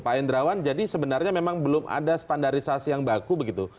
pak endrawan jadi sebenarnya memang belum ada standarisasi yang baku begitu